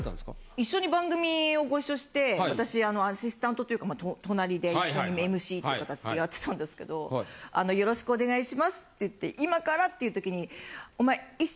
一緒に番組をご一緒して私アシスタントというか隣で一緒にＭＣってかたちでやってたんですけど「よろしくお願いします」って言って今からっていう時に。